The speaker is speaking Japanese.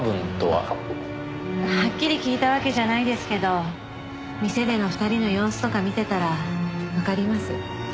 はっきり聞いたわけじゃないですけど店での２人の様子とか見てたらわかります。